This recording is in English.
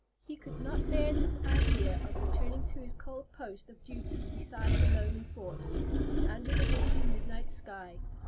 He could not bear the idea of returning to his cold post of duty beside the lonely Fort, and under the wintry midnight sky.